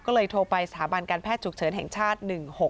ก็เลยโทรไปสถาบันการแพทย์ฉุกเฉินแห่งชาติ๑๖๖